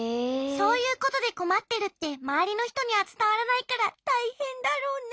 そういうことでこまってるってまわりのひとにはつたわらないからたいへんだろうね。